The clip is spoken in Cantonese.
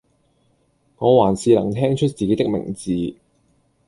我還是能聽出自己的名字